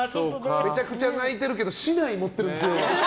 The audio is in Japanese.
めちゃくちゃ泣いてるけど竹刀持ってるんですよ。